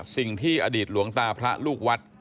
สิ่งที่อดีตหลวงตาพระลูกวัด